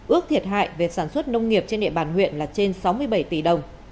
ước thiệt hại về sản xuất nông nghiệp trên địa bàn huyện là trên sáu mươi bảy tỷ đồng